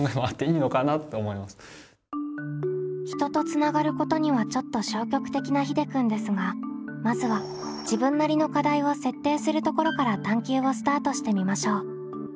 人とつながることにはちょっと消極的なひでくんですがまずは自分なりの課題を設定するところから探究をスタートしてみましょう。